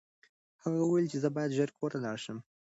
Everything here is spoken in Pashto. هغه وویل چې زه باید ژر کور ته لاړ شم.